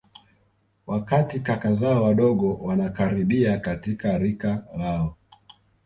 Wakati kaka zao wadogo wanakaribia katika rika lao